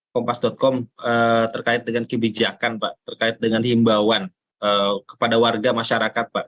kompas com terkait dengan kebijakan pak terkait dengan himbauan kepada warga masyarakat pak